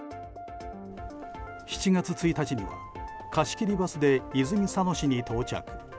７月１日には貸し切りバスで泉佐野市に到着。